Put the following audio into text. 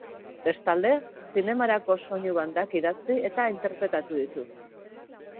Bestalde, zinemarako soinu bandak idatzi eta interpretatu ditu.